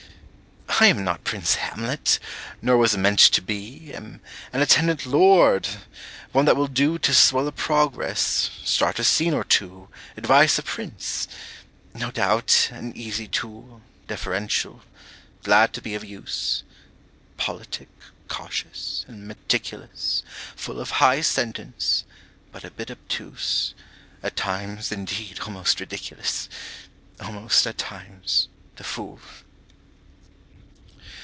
I am not Prince Hamlet, nor was meant to be; Am an attendant lord, one that will do To swell a progress, start a scene or two, Advise the prince; no doubt, an easy tool, Deferential, glad to be of use, Politic, cautious, and meticulous; Full of high sentence, but a bit obtuse; At times, indeed, almost ridiculous Almost, at times, the Fool.